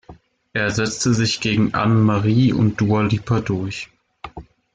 Er setzte sich gegen Anne-Marie und Dua Lipa durch.